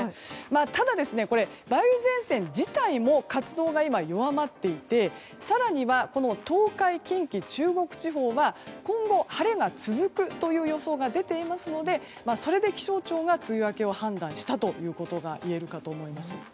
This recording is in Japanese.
ただ、梅雨前線自体も活動が今、弱まっていて更には東海、近畿、中国地方は今後、晴れが続くという予想が出ていますのでそれで気象庁が梅雨明けを判断したといえるかと思います。